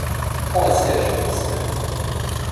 Prends un siège, Cinna.